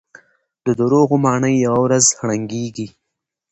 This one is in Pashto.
د دروغو ماڼۍ يوه ورځ ړنګېږي.